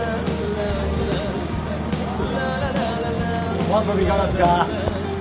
お遊びいかがっすか？